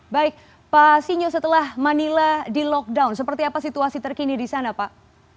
baik pak sinyo setelah manila di lockdown seperti apa situasi terkini di sana pak